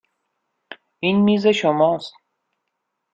این میز شماست.